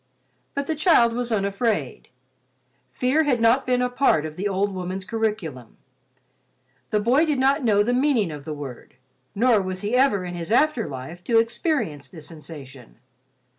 But the child was unafraid. Fear had not been a part of the old woman's curriculum. The boy did not know the meaning of the word, nor was he ever in his after life to experience the sensation.